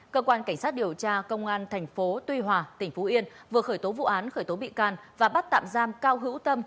cơ quan cảnh sát điều tra công an thành phố tuy hòa tỉnh phú yên vừa khởi tố vụ án khởi tố bị can và bắt tạm giam cao hữu tâm